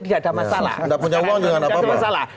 tidak ada masalah